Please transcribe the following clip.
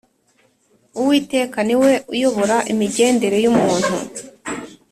uwiteka ni we uyobora imigendere y’umuntu